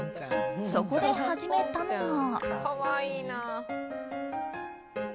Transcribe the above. そこで始めたのが。